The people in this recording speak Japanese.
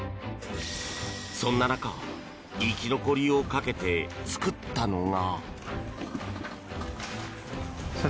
そんな中生き残りをかけて作ったのが。